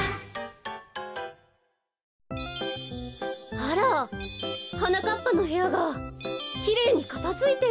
あらはなかっぱのへやがきれいにかたづいてる。